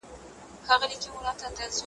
نو خورا شاعرانه کلمات `